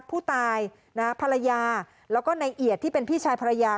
ผู้ตายภรรยาแล้วก็นายเอียดที่เป็นพี่ชายภรรยา